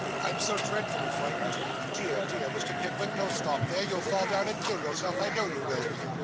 I am so dreadfully frightened. Dear, dear Mr. Pickwick, don't stop there. You'll fall down and kill yourself, I know you will.